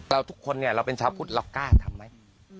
ทุกคนเนี่ยเราเป็นชาวพุทธเรากล้าทำไหม